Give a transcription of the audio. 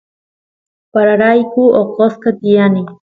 pararayku oqosqa tiyani